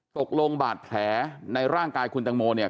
ตกลงบาดแผลในร่างกายคุณตังโมเนี่ย